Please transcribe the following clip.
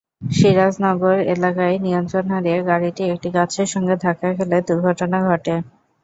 সিরাজনগর এলাকায় নিয়ন্ত্রণ হারিয়ে গাড়িটি একটি গাছের সঙ্গে ধাক্কা খেলে দুর্ঘটনা ঘটে।